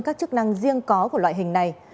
các chức năng riêng có của loại hình này